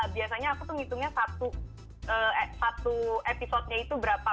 biasanya aku tuh ngitungnya satu episode nya itu berapa